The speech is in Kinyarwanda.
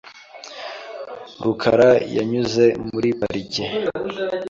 rukara yanyuze muri parike .